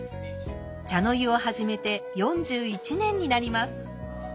茶の湯を始めて４１年になります。